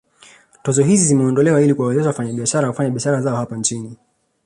Tozo hizi zimeondolewa ili kuwawezesha wafanyabiashara kufanya biashara zao hapa nchini